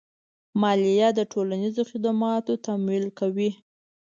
مالیه د ټولنیزو خدماتو تمویل کوي.